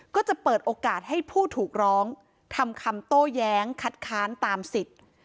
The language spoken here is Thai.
ก็จะเปิดโอกาสให้ผู้ถูกร้องทำคำโต้แย้งคัดค้านตามสิทธิ์